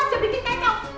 selalu aja bikin kecoh